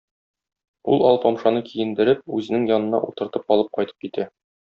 Ул Алпамшаны киендереп, үзенең янына утыртып алып кайтып китә.